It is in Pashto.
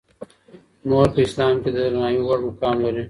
مور په اسلام کې د درناوي وړ مقام لري.